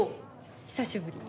久しぶり。